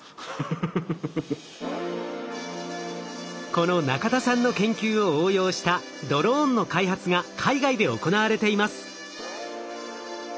この中田さんの研究を応用したドローンの開発が海外で行われています。